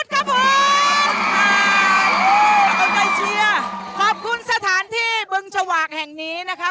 เชียร์ขอบคุณสถานที่เบื้องชวากแห่งนี้นะคะ